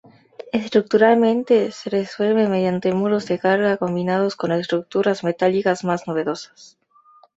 Estructuralmente se resuelve mediante muros de carga combinados con estructuras metálicas más novedosas.